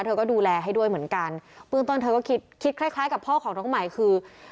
เธอก็ดูแลให้ด้วยเหมือนกันเบื้องต้นเธอก็คิดคิดคล้ายคล้ายกับพ่อของน้องใหม่คือ